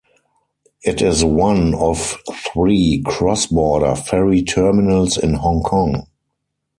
It is one of three cross-border ferry terminals in Hong Kong.